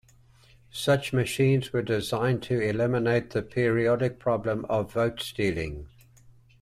Such machines were designed to eliminate the periodic problem of vote-stealing.